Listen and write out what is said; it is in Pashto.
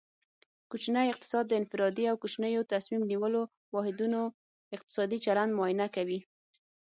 کوچنی اقتصاد د انفرادي او کوچنیو تصمیم نیولو واحدونو اقتصادي چلند معاینه کوي